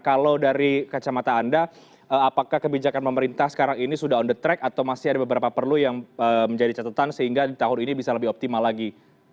kalau dari kacamata anda apakah kebijakan pemerintah sekarang ini sudah on the track atau masih ada beberapa perlu yang menjadi catatan sehingga di tahun ini bisa lebih optimal lagi